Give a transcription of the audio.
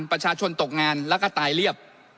ประชาชนตกงานแล้วก็ตายเรียบ